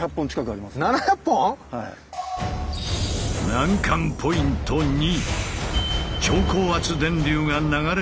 難関ポイント２。